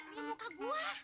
ini muka gua